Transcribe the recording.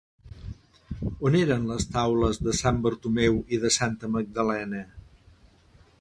On eren les taules de Sant Bartomeu i de santa Magdalena?